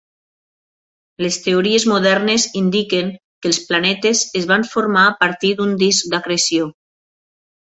Les teories modernes indiquen que els planetes es van formar a partir d'un disc d'acreció.